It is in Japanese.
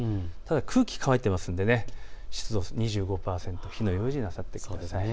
空気が乾いてますので湿度２５％、火の取り扱いに注意してください。